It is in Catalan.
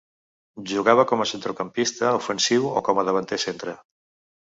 Jugava com a centrecampista ofensiu o com a davanter centre.